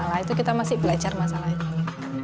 nah itu kita masih belajar masalah ini